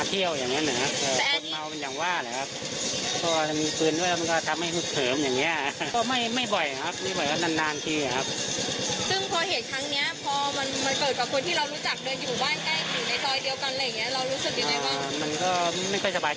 กลัวไหมอ่ะถามความรู้สึก